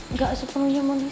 nggak sepenuhnya moni sah